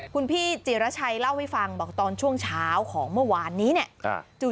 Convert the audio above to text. คุณพี่จิรชัยเล่าให้ฟังบอกตอนช่วงเช้าของเมื่อวานนี้เนี่ย